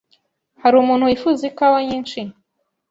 Hari umuntu wifuza ikawa nyinshi?